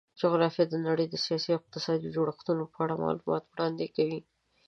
جغرافیه د نړۍ د سیاسي او اقتصادي جوړښتونو په اړه معلومات وړاندې کوي.